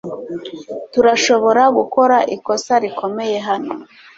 Turashobora gukora ikosa rikomeye hano .